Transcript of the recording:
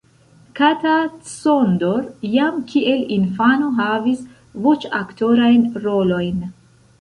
Kata Csondor jam kiel infano havis voĉaktorajn rolojn.